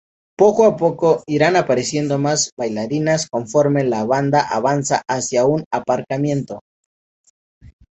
Poco a poco irán apareciendo más bailarinas conforme la banda avanza hacia un aparcamiento.